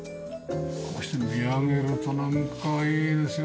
こうして見上げるとなんかいいですよね。